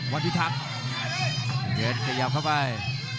วันพิทักษ์กลิ่นเช็ดเขยับเข้าไป